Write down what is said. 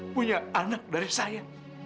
punya anak dari saya